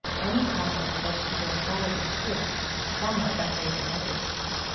Any kipd of a vegetable salad is good ; some are better than others.